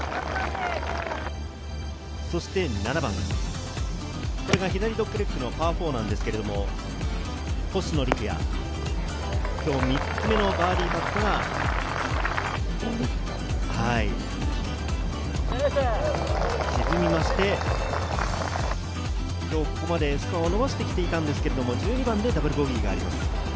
そして７番、これが左ドッグレッグのパー４ですが、星野陸也、今日３つ目のバーディーパットが、沈みまして、今日ここまでスコアを伸ばしてきていたんですが、１２番でダブルボギーがあります。